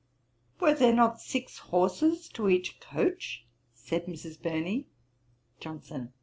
'Were there not six horses to each coach?' said Mrs. Burney. JOHNSON.